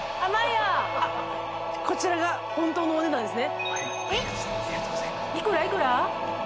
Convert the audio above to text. こちらが本当のお値段ですね？